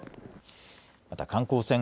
また観光船